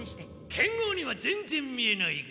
剣豪にはぜんぜん見えないが。